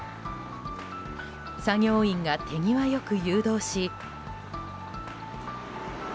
作業員が手際よく誘導し。